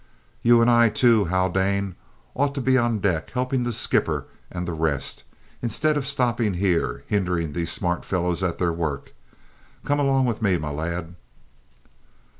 "You and I, too, Haldane, ought to be on deck helping the skipper and the rest, instead of stopping here, hindering these smart fellows at their work. Come along with me, my lad!"